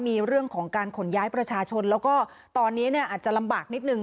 มีเรื่องของการขนย้ายประชาชนแล้วก็ตอนนี้เนี่ยอาจจะลำบากนิดนึง